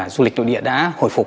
du lịch nội địa đã khôi phục